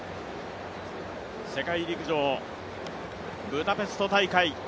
世界陸上ブダペスト大会。